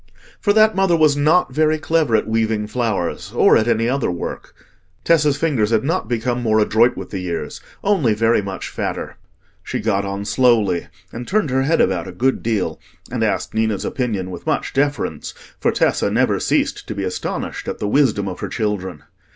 For that mother was not very clever at weaving flowers or at any other work. Tessa's fingers had not become more adroit with the years—only very much fatter. She got on slowly and turned her head about a good deal, and asked Ninna's opinion with much deference; for Tessa never ceased to be astonished at the wisdom of her children.